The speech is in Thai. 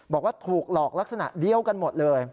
บอกว่าถูกหลอกลักษณะเดียวกันหมดเลย